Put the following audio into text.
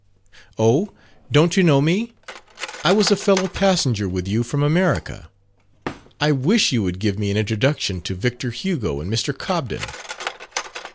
"Oh, don't you know me; I was a fellow passenger with you from America; I wish you would give me an introduction to Victor Hugo and Mr. Cobden."